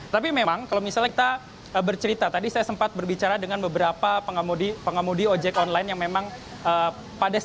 tapi memang kalau misalnya kita bercerita tadi saya sempat berbicara dengan beberapa pengemudi ojek online yang memang pada saat